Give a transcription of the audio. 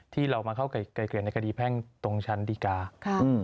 ที่เรามาเข้าไกลเกลี่ยในกะดิแพร่งตรงชั้นดิกาค่ะอืม